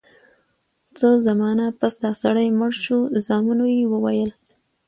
څه زمانه پس دا سړی مړ شو زامنو ئي وويل: